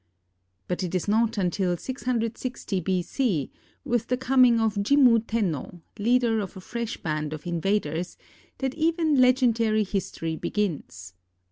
But it is not until 660 B.C., with the coming of Jimmu Tenno, leader of a fresh band of invaders, that even legendary his tory begins.